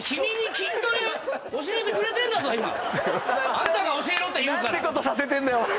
あんたが教えろって言うから。